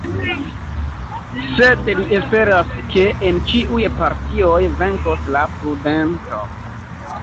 Sed li esperas ke en ĉiuj partioj venkos la prudento.